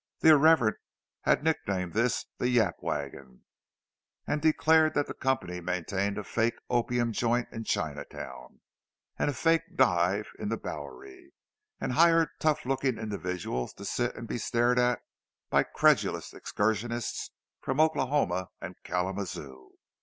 The irreverent had nicknamed this the "yap wagon"; and declared that the company maintained a fake "opium joint" in Chinatown, and a fake "dive" in the Bowery, and hired tough looking individuals to sit and be stared at by credulous excursionists from Oklahoma and Kalamazoo.